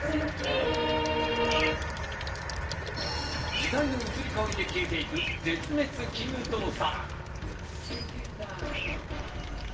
時代の移り変わりで消えていく絶滅危惧動作。